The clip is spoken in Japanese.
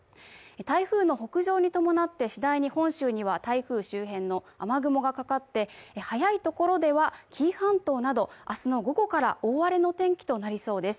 台風の北上に伴ってしだいに本州には、台風周辺の雨雲がかかって、早いところでは紀伊半島など明日の午後から大荒れの天気となりそうです。